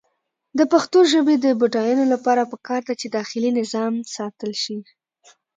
د پښتو ژبې د بډاینې لپاره پکار ده چې داخلي نظام ساتل شي.